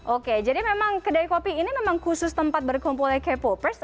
oke jadi memang kedai kopi ini memang khusus tempat berkumpulnya k popers